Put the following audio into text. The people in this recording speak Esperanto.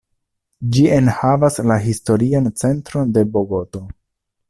Ĝi enhavas la historian centron de Bogoto.